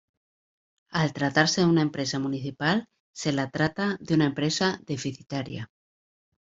Al tratarse de una empresa municipal, se la trata de una empresa deficitaria.